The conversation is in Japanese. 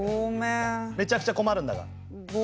めちゃくちゃ困るんだが。